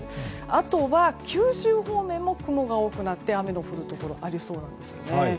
あとは、九州方面も雲が多くなって雨の降るところがありそうなんですよね。